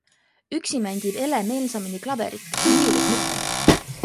Üksi mängib Ele meelsamini klaverit, viiulit mitte.